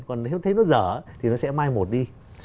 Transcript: còn nếu thấy nó dở thì nó sẽ mai một đi